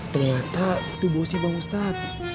ternyata itu bosnya bang ustadz